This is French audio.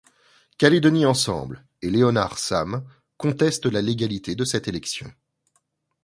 Calédonie ensemble et Léonard Sam contestent la légalité de cette élection.